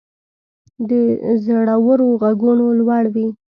د زړورو ږغونه لوړ وي.